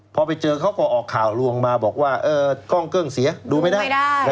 พอไปเจอเขาก็ออกข่าวลวงมาบอกว่ากล้องเกิ้งเสียดูไม่ได้